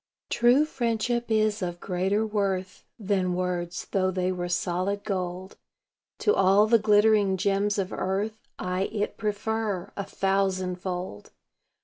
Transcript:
True friendship is of greater worth Than words, though they were solid gold. To all the glittering gems of earth I it prefer, a thousandfold.